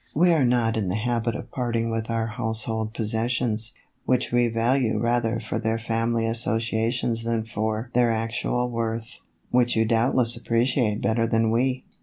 We are not in the habit of parting with our house hold possessions, which we value rather for their family associations than for their actual worth, which you doubtless appreciate better than we."